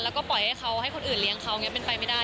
ให้เขาให้คนอื่นเลี้ยงเขาเป็นไปไม่ได้